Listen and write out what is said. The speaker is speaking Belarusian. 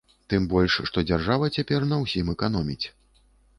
Тым больш, што дзяржава цяпер на ўсім эканоміць.